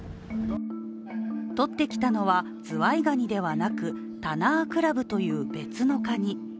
とってきたのは、ズワイガニではなく、タナークラブという、別のカニ。